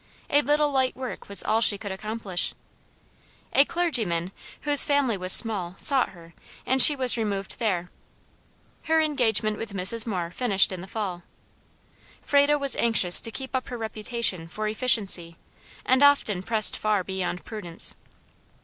A little light work was all she could accomplish. A clergyman, whose family was small, sought her, and she was removed there. Her engagement with Mrs. Moore finished in the fall. Frado was anxious to keep up her reputation for efficiency, and often pressed far beyond prudence.